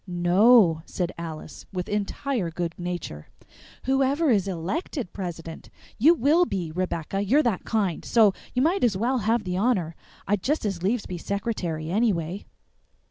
"No," said Alice, with entire good nature, "whoever is ELECTED president, you WILL be, Rebecca you're that kind so you might as well have the honor; I'd just as lieves be secretary, anyway."